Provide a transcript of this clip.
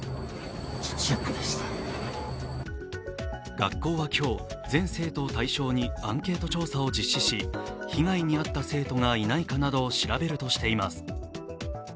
学校は今日、全生徒を対象にアンケート調査を実施し、被害に遭った生徒がいないかなどを調べるとしています。